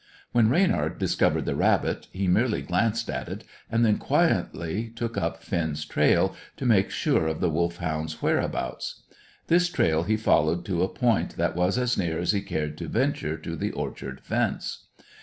When Reynard discovered the rabbit, he merely glanced at it, and then quietly took up Finn's trail, to make sure of the Wolfhound's whereabouts. This trail he followed to a point that was as near as he cared to venture to the orchard fence.